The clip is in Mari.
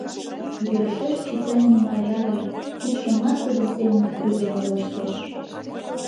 Йӧршеш читальне Майра гай, кидшымат тудын семынак рӱзен ойлыштеш.